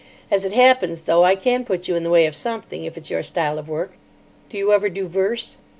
As it happens, though, I can put you in the way of something, if it's your style of work. Do you ever do verse?"